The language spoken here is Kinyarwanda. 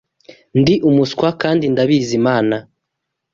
Ndi umuswa kandi ndabizi mana